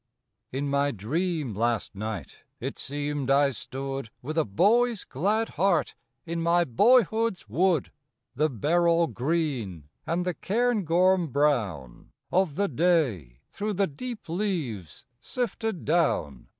In my dream last night it seemed I stood With a boy's glad heart in my boyhood's wood. The beryl green and the cairngorm brown Of the day through the deep leaves sifted down.